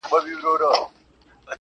ه تا ويل اور نه پرېږدو تنور نه پرېږدو~